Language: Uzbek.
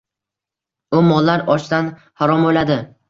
U mollar ochdan harom o‘ladi.